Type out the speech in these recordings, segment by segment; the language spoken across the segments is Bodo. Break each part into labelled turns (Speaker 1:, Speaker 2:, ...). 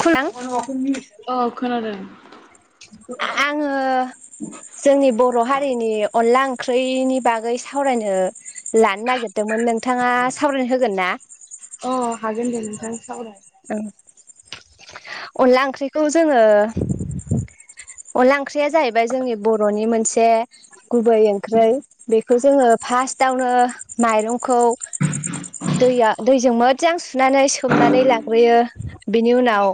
Speaker 1: खां
Speaker 2: औ खोनादों
Speaker 1: आङो जोंनि बर' हारिनि अनला ओंख्रिनि बागै सावरायनो लानो नागिरदोंमोन नोंथाङा सावरायनो होगोन ना
Speaker 2: औ हागोन दे नोंथां सावराय
Speaker 1: औ अनला ओंख्रिखौ जोङो अनलाओं ओंख्रिया जाहैबाय जोंनि बर'नि मोनसे गुबै ओंख्रि बेखौ जोङो फार्स्टआवनो माइरंखौ दैया दैजों मोजां सुनानै सोमनानै लाग्रोयो बिनि उनाव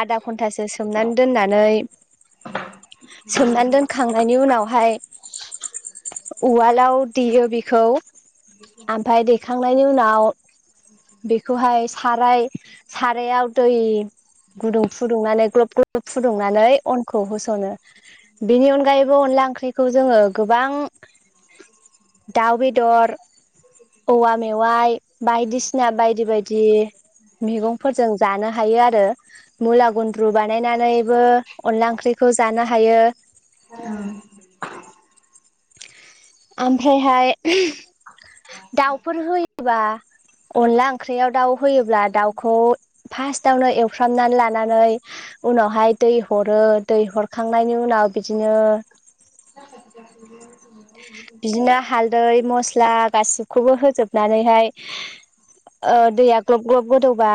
Speaker 1: आदा घन्टासो सोमनानै दोननानै सोमनानै दोनखांनायनि उनावहाय उवालाव देयो बेखौ ओमफ्राय दैेखांनायनि उनाव बेखौहाय साराय सारायाव दै गुदुं फुदुंनानै गब ग्लब फुदुंनानै अनखौ होस'नो बेनि अनगायैबो अनला अला ओंख्रिखौ जोङो गोबां दाउ बेदर औवा मेवाइ बायदिसिना बायदि बायदि मैगंफोरजों जानो हायो आरो मुला गुन्द्रु बानायनानैबो अनला ओंख्रिखौ जानो हायो। [inaudible] ओमफ्रायहाय दाउफोर होयोबा अनला ओंख्रियाव दाउ होयोब्ला दाउखौ फार्स्टावनो एवफ्रामनानै लानो नानै उनावहाय दै हरो दै हरखांनायनि उनाव बिदिनो
Speaker 2: [inaudible]
Speaker 1: बिदिनो हालदै मस्ला गासिखौबो होजोबनानैहाय दैया ग्लब ग्लब गोदौबा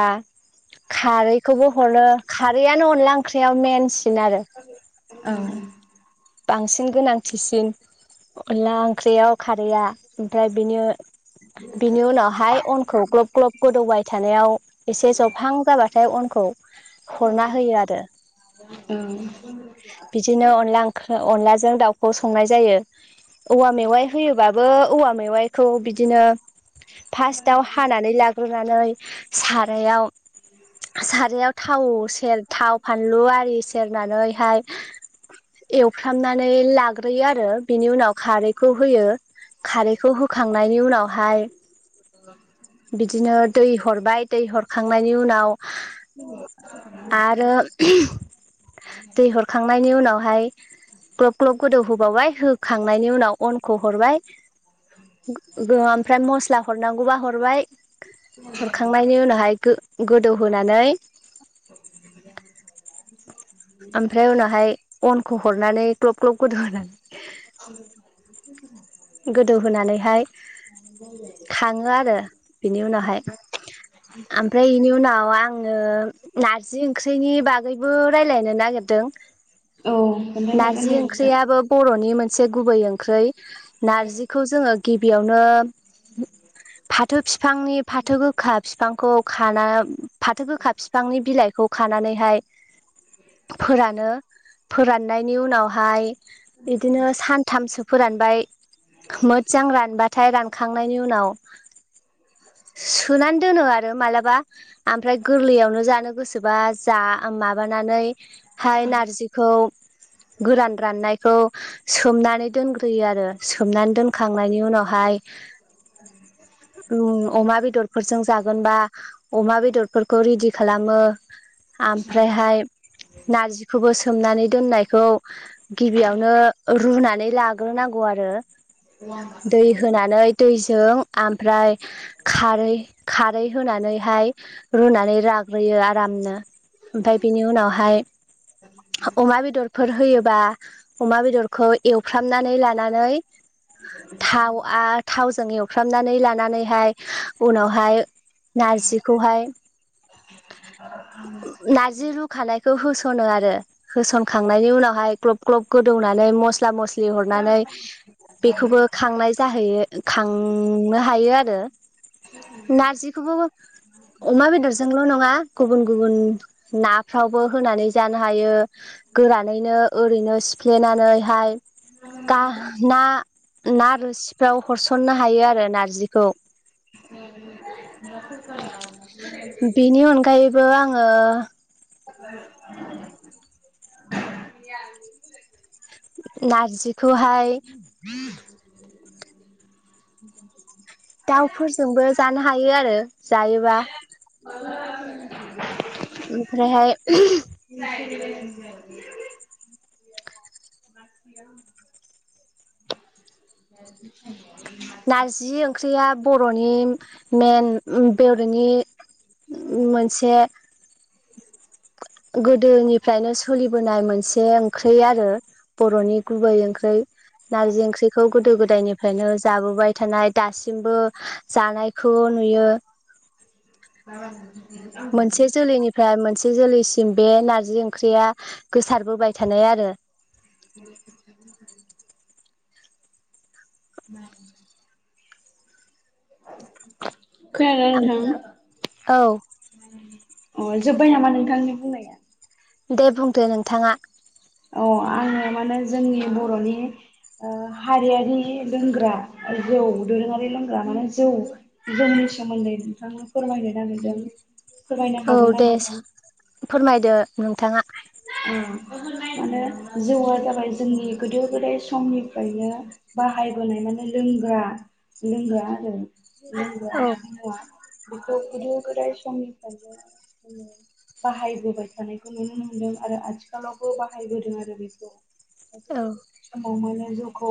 Speaker 1: खारै खौबो हरो खारैआनो अनला ओंख्रियाव मेन
Speaker 2: औ
Speaker 1: बांसिन गोनांथिसिन अनला ओंख्रियाव खारैआ ओमफ्राय बेनो बिनि उनावहाय अनखौ ग्लब ग्लब गोदौबाय थानायाव एसे जहां जाबाथाय अन खौ हरना होयो आरो
Speaker 2: औ
Speaker 1: बिदिनो अनला ओंख्रि अनलाजों दाउखौ संनाय जायो। औवा मेवाइ होयोबाबो औवा मेवाइखौ बिदिनो फार्स्टआव हानानै लाग्रोनानै सारायाव सारायाव थाव सेर थाव फानलु आरि सेरनानै बेहाय एवफ्रामनानै लाग्रोयो आरो बिनि उनाव खारैखौ होयो। खारैखौ होखांनायनि उनावहाय बिदिनो दै हरबाय दै हर खांनायनि उनाव आरो दै हर खांनायनि उनावहाय ग्लब ग्लब गोदौ होबावबाय होखांनायनि उनाव अनखौ हरबाय ओमफ्राय मस्ला हरनांगौबा हरबाय। हरखांनायनि उनावहाय गो-गोदौहोनानै ओमफ्राय उनावहाय अनखौ हरनानै ग्लब ग्लब गोदौ होनानै गोदौहोनानैहाय खाङो आरो बेनि उनावहाय ओमफ्राय बेनि उनाव आं आङो नारजि ओंख्रिनि बागैबो रायलायनो नागिरदों।
Speaker 2: औ खोन्थानो हागोन
Speaker 1: नारजि
Speaker 2: दे नोंथां
Speaker 1: ओंख्रियाबो बर'नि मोन से गुबै ओंख्रै नारजिखौ जोङो गिबियावनो फाथो फिफांनि फाथो गोखा फिफां खौ खाना फाथो गोखा फिफांनि बिलाइखौ खानानैहाय फोरानो फोराननायनि उनावहाय इदिनो सानथामसो फोरानबाय मोजां रानबाथाय रानखांनायनि उनाव सुनानै दोनो आरो मालाबा। आमफ्राय गोरलैयावनो जानो गोसोबा जा माबानानै हाय नारजिखौ गोरान राननायखौ सोमनानै दोनग्रोयो आरो। सोमनानै दोनखांनायनि उनावहाय उम अमा बेदरफोरजों जागोनबा अमा बेदरफोरखौ रेदि खालामो आमफ्रायहाय नारजिखौबो सोमनानै दोननायखौ गिबियावनो रुनानै लाग्रोनांगौ आरो। दै होनानै दैजों आमफ्राय खारै खारै होनानैहाय रुनानै राग्रोयो आरामनो। ओमफाय बिनि उनावहाय अमा बेदरफोर होयोबा अमा बेदर एवफ्रामनानै लानानै थाव आ थावजों एवफ्रामनानै लानानैहाय उनावहाय नारजिखौहाय नारजि रुखानायखौ होस सनो आरो होसनखांनायनि उनावहाय ग्लब ग्लब गोदौनानै मस्ला मस्लि हरनानै बेखौबो खांनाय जाहैयो खांनो हायो आरो। नारजिखौबो अमा बेदरजोंल' नङा गुबुन गुबुन नाफ्रावबो होनानै जानो हायो। गोरानैनो ओरैनो सिफ्लेनानैहाय गा ना ना रोसिफ्राव हरसननो हायो आरो नारजिखौ।
Speaker 2: [unintelligible]
Speaker 1: बिनि अनगायैबो आङो
Speaker 2: [inaudible]
Speaker 1: नारजिखौहाय
Speaker 2: [inaudible]
Speaker 1: दाउफोरजोंबो जानो हायो आरो जायोबा
Speaker 2: [unintelligible]
Speaker 1: ओमफ्रायहाय
Speaker 2: [inaudible] [inaudible]
Speaker 1: नारजि ओंख्रिया बर'नि मेइन बर'नि मोनसे
Speaker 2: [inaudible]
Speaker 1: गोदोनिफ्रायनो सोलिबोनाय मोनसे ओंख्रि आरो बरनि गुबै ओंख्रि। नारजि ओंख्रिखौ गोदो गोदायनिफ्रायनो जाबोबाय थानाय दासिमबो जानायखौ नुयो।
Speaker 2: मा
Speaker 1: मोनसे जोलैनिफ्राय मोनसे जोलैसिम बे नारजि ओंख्रिया गोसारबोबाय थानाय आरो।
Speaker 2: [inaudible] खोनादोंना नोंथां?
Speaker 1: औ
Speaker 2: अ जोबबाय नामा नोंथांनि बुंनाया?
Speaker 1: दे बुंदो नोंथाङा।
Speaker 2: आं आङो माने जोंनि बरनि हारियारि लोंग्रा जौ दोरोङारि लोंग्रा माने जौ जोंनि सोमोन्दै नोंथांनो फोरमायनो नागिरदों। फोरमायनो
Speaker 1: औ
Speaker 2: हागोन ना
Speaker 1: दे
Speaker 2: नोंथां
Speaker 1: फोरमायदो नोंथाङा। [inaudible]
Speaker 2: माने जौआ जाबाय जोंनि गोदो गोदाय समनिफ्रायनो बाहायबोनाय माने लों ग्रा लोंग्रा आरो लोंग्रा
Speaker 1: औ
Speaker 2: बेखौ गोदो गोदाय समनिफ्रायनो बाहायबोबाय थानायखौ नुनो मोनदों आरो आथिखालावबो बाहायबोदों आरो बेखौ
Speaker 1: औ
Speaker 2: गोदो गोदाय समाव मान जैखौ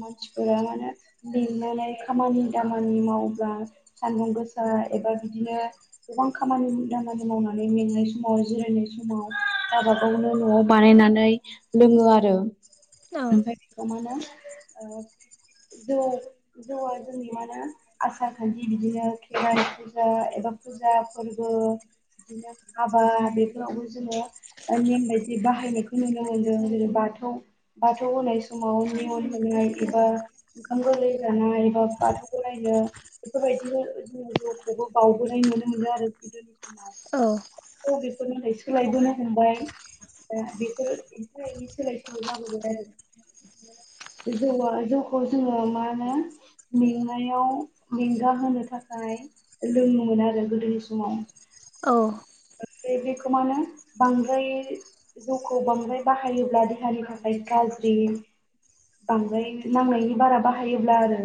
Speaker 2: मानसिफोरा मानो लिंनानै खामानि दामानि मावब्ला सानदुं गोसा एबा बिदिनो गोबां खामानि दामानि मावनानै मेंनाय समाव जिरायनाय सम गाबाखौनो नआव बानायनानै लोङो आरो।
Speaker 1: औ
Speaker 2: ओमफ्राय बेखौ मा होनो? जौ जौआ जोंनि मा होना आसार खान्थि बिदिनो खेराइ फुजा ओ एबा फुजा फोरबो बिदिनो हाबा बेफोरावबो जोङो नेम बायदि बाहायनायखौ नुनो मोनदों जेरै बाथौ बाथौ होनाय समाव नियन होनाय एबा ओंखाम गोरलै जानाय बाथौ बोरायनो बेफोरबायदिनो जोङो जौखौबो बावबोनाय नुनो मोनदों आरो गोदोनि समाव।
Speaker 1: औ
Speaker 2: बेफोर नाथाय सोलायबोनो हमबाय दा बेफोर एफा एनै सोलाय सोल' जाबोदों। जौवा जौखौ जोङो मा होनो? मेंनायाव मेंगा होनो थाखाय लोङोमोन आरो गोदोनि समाव।
Speaker 1: औ
Speaker 2: बेखो मा होनो बांद्राय जौखौ बांद्राय बाहायोब्ला देहानि थाखाय गाज्रि। बांद्राय नांनायनि बारा बाहायोब्ला आरो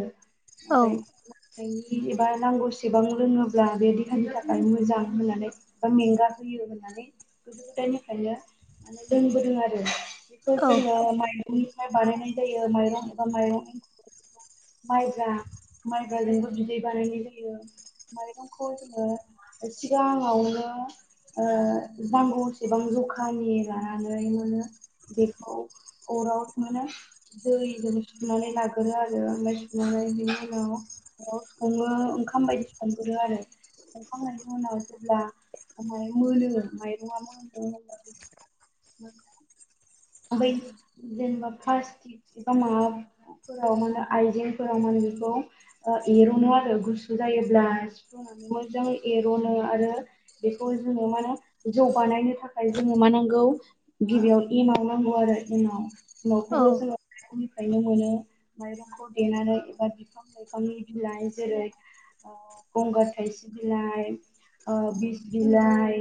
Speaker 1: औ
Speaker 2: ओमफाय एबा नांगौसेबां रोङोब्ला बे देहानि थाखाय मोजां होननानै एबा मेंगा होयो होननानै गोदो गोदायनिफ्रायनो माने लोंबोदों आरो। बेखौ जोंङो माइरंनिफाय बानायनाय जायो माइरं एबा माइरं माइब्रा माइब्राजोंबो बिदै बानायनाय जायो। माइरंखौ ओ जोङो सिगाङावनो ओ नांगौसेबां जखानि लानानै मोनो बेखौ अराव माने दैजों सुनानै लागोरो आरो ओमफ्राय सुनानै बेनि उनाव नआव सङो ओंखाम बायदि संगोरो आरो संखांनायनि उनाव जेब्ला माइरंखौ होनानै माइरंआ मोनो ओमफाय बिदिनो जेनबा फारस एबा फोराव माने आइजेंफोराव माने बेखौ एरनो आरो गुसु जायोब्ला सिफ्रुनानै जों एर'नो आरो बेखौ जोङो मा होनो जौ बानायनो थाखाय जोङो मा नांगौ गिबियाव एमाव नांगौ आरो। उनाव
Speaker 1: औ
Speaker 2: न'खौबो जोङो गायनो मोनो माइरंखौ देनानै एबा बिफां लाइफांनि बिलाइ जेरै ओ गंगार थाइसिब बिलाइ ओ बिस बिलाइ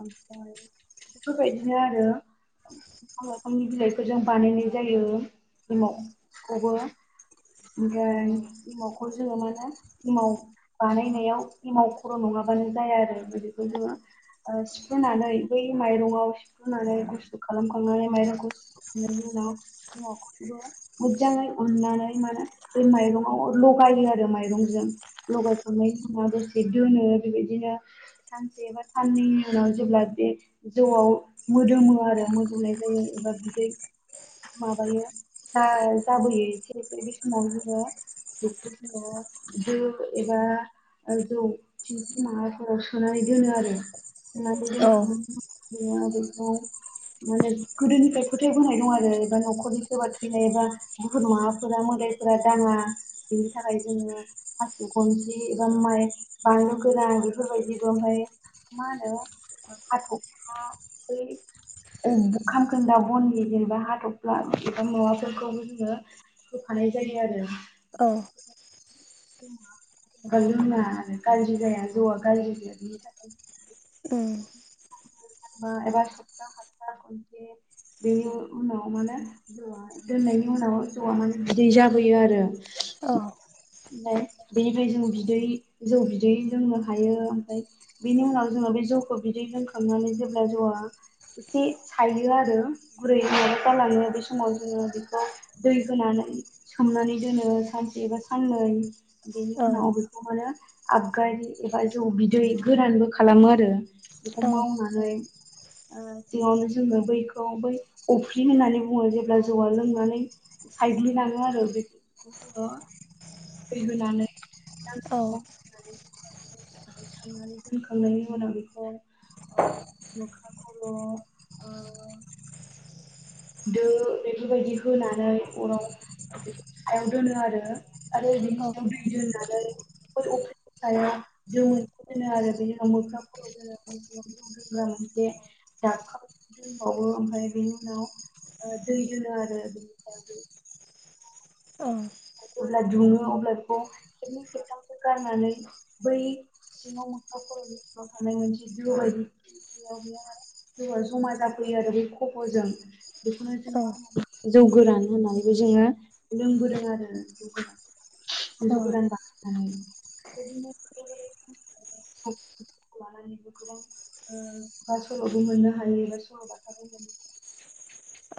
Speaker 2: ओमफ्राय बेफोरबायदिनो आरो बिफां लाइफांनि बिलाइफोरजों बानायनाय जायो एमाव खौबो। ओमफ्राय एमावखौ जोङो मा होनो एमाव बानायनायाव एमाव खर' नङा बानो जाया आरो बिदिखौ जोङो। ओ सिफ्रुनानै बै माइरंआव सिफ्रुनानै गुसु खालामखांनानै माइरंखौ सुुखांनायनि उ नाव एमावखौबो मोजाङै उननानै माने बै माइरंआव लगायो आरो माइरंजों लगायखांनायनि दसे दोनो बेबायदिनो सानसे एबा साननैनि उनाव जेब्ला बे जौआव मोदोमो आरो मोदोमनाय जायो एबा बिदै माबायो जा जाबोयो एसे बे समाव जोङो बेफोरखौ जोंङो दो एबा जौ थिं माबाफोराव सोनानै दोनो आरो
Speaker 1: औ
Speaker 2: जाहाथे बेखौ माने गोदोनिफ्राय फोथायबोनाय दं आरो एबा न'खरनि सोरबा थैनाय एबा बुहुत माबाफोरा मोदायफोरा दाङा। बेनि थाखाय जोङो हासिबगनसि एबा माइ बानलु गोरान बेफोरबायदि ओमफ्राय मा होनो हाथफ्ला' बै ओ खामखोन्दा बननि जेनेबा हाथफ्ला बिबा माबाफोरखौबो जोङो होफानाय जायो आरो
Speaker 1: औ
Speaker 2: जोंना गाज्रि जाया जौआ गाज्रि जाया बिनि थाखाय
Speaker 1: ओम
Speaker 2: एबार [unintelligible] बेनि उनाव माने जौआ दोननायनि उनाव जौआ माने बिदै जाबोयो आरो
Speaker 1: औ
Speaker 2: ओमफाय बेनिफ्राय जों बिदै जौ बिदै लोंनो हायो ओमफ्राय बेनि उनाव जोङो बे जौखौ बिदै लोंखांनानै जेब्ला जौआ एसे सायो आरो गुरै माबा जालाङो बे समाव जोङो बेखौ दै होनानै सोमनानै दोनो सानसे एबा साननै बेनि
Speaker 1: औ
Speaker 2: उनाव बेखौ मानो। आबगारि एबा जौ बिदै गोरानबो खालामो आरो बेखौ मावना नै ओ जिङावनो जोङो बैखौ बै अफ्रि होननानै बुङो जेब्ला जौआ लोंनानै सायग्लिलाङो आरो बेफोरखौ जोङो दै होनानै
Speaker 1: औ
Speaker 2: साननानै दोनखांनायनि उनाव बेखौ ओ मोख्रा खर' ओ दो बेफोरबायदि होनानै अराव बेखौ सायाव दोनो आरो आरो बिनि
Speaker 1: औ
Speaker 2: सायाव दै दोननानै। बै अफ्रि दोननाय आव दो मोनसे दोनो आरो बिनि उनाव मोख्रा खर'दोनो [unintelligible] मोनसे दाबखा दोनबावो ओमफ्राय बेनि उनाव ओ दै दोनो आरो बिनि सायाव हाय
Speaker 1: औ
Speaker 2: अब्ला दुङो अब्ला बेखौ खेबनै खेबथामसो गारनानै बै सिङाव मोख्रा खर' नि सिङाव थानाय मोनसे दो बायदि गैया माने [unintelligible] जौआ जमा जाफैयो आरो बे खब'जों। बेखौनो जों
Speaker 1: औ
Speaker 2: मा होननानै जौ गोरान होननानैबो जोङो लोंबोदों आरो जौ गोरान। जौ गोरान बानायनानै [unintelligible] [unintelligible] ओ बा सल'बो मोननो हायो बा सल'बाथाबो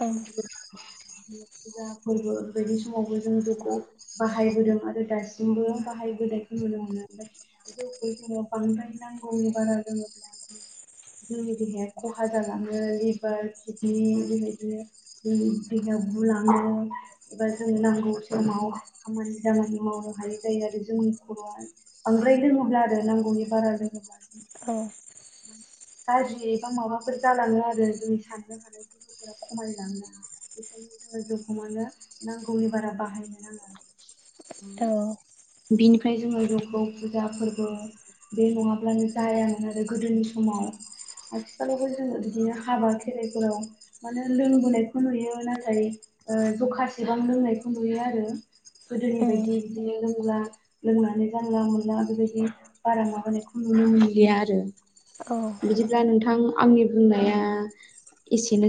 Speaker 1: औ [inaudible]
Speaker 2: फुजा फोरबो बेबायदि समावबो जों जौखौ बाहायबोदों आरो दासिमबो बाहायबो बोनायखौ नुनो मोनो ओमफ्राय जौखो एसेबां बांद्राय नांगौनि बारा लोङोब्ला जोंनि देहाया खहा जालाङो लिभार किडनि बेबायदि
Speaker 1: [inaudible]
Speaker 2: देहाया बुलाङो एबा जों नांगौ समाव खामानि दामानि मावो हायै जायो आरो जोंनि खर'आ बांद्राय लोङोब्ला आरो नांगौनि बारा लोङोब्ला
Speaker 1: औ
Speaker 2: गाज्रि एबा माबाफोर जालाङो आरो जोंनि साननो हानायफोरखौ खमाय [unintelligible] [unintelligible] न जौखौ मानो नांगौनि बारा बाहायनो नाङा
Speaker 1: औ
Speaker 2: बिनिफ्राय जोङो जौखौ फुजा फोरबो बे नङाब्लानो जायामोन आरो गोदोनि समाव आथिखालावबो जोङो बिदिनो हाबा खेराइफोराव माने लोंबोनायखौ नुयो नाथाय ओ जखासेबां लोंनायखौ नुयो आरो गोदोनि बायदि इदिनो लों ला लोंनानै जानला मोनला बेबायदि बारा माबानायखौ नुनो मोनलिया आरो
Speaker 1: औ औ
Speaker 2: बिदिब्ला नोंथां आंनि बुंनाया एसेनो